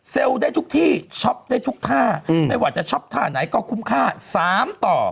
ได้ทุกที่ช็อปได้ทุกท่าไม่ว่าจะช็อปท่าไหนก็คุ้มค่าสามต่อ